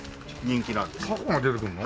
タコが出てくるの？